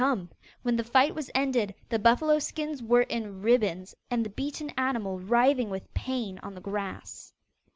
When the fight was ended, the buffalo skins were in ribbons, and the beaten animal writhing with pain on the grass.